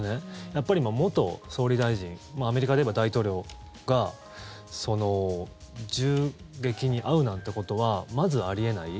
やっぱり元総理大臣アメリカでいえば大統領が銃撃に遭うなんてことはまずあり得ない。